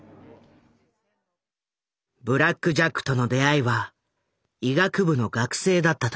「ブラック・ジャック」との出会いは医学部の学生だった時。